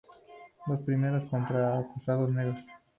Los dos primeros contra acusados negros.